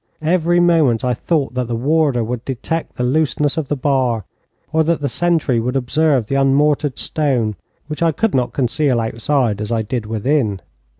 Every moment I thought that the warder would detect the looseness of the bar, or that the sentry would observe the unmortared stone, which I could not conceal outside, as I did within.